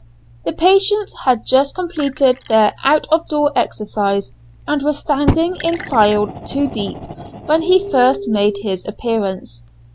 The patients had just completed their out of door exercise, and were standing in file two deep when he first made his appearance.